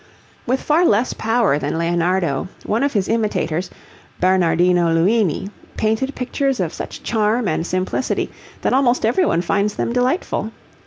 With far less power than Leonardo, one of his imitators, Bernardino Luini, painted pictures of such charm and simplicity that almost everyone finds them delightful.